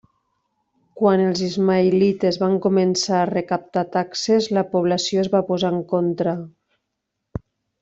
Quan els ismaïlites van començar a recaptar taxes la població es va posar en contra.